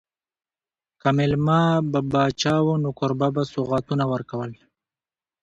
که مېلمه به پاچا و نو کوربه به سوغاتونه ورکول.